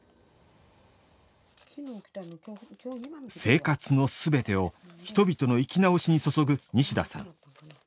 生活の全てを人々の生き直しに注ぐ西田さん。